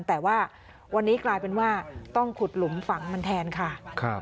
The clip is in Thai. แต่ว่าวันนี้กลายเป็นว่าต้องขุดหลุมฝังมันแทนค่ะ